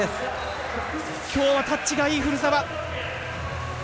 今日はタッチがいい古澤。